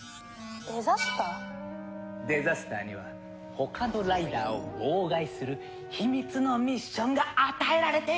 デザスターには他のライダーを妨害する秘密のミッションが与えられているの！